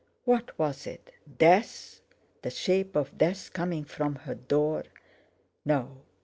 What was it? Death? The shape of Death coming from her door? No!